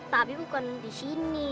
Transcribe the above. tapi bukan di sini